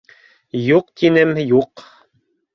— Юҡ, тинем, юҡ!